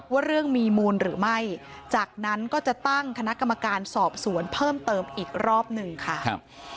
ว่าเรื่องมีมูลหรือไม่จากนั้นก็จะตั้งคณะกรรมการสอบสวนเพิ่มเติมอีกรอบหนึ่งค่ะ